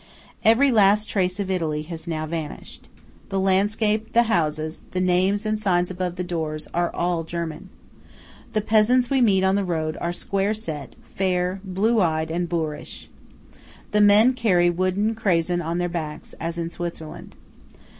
Every last trace of Italy has now vanished. The landscape, the houses, the people, the names and signs above the doors, are all German. The peasants we meet on the road are square set, fair, blue eyed, and boorish. The men carry wooden Krazen on their backs, as in Switzerland.